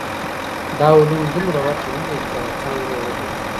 دا علوم دومره ورته نه دي چي يوه څانګه يې وګڼو.